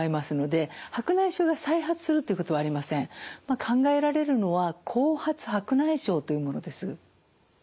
考えられるのは後発白内障というものです。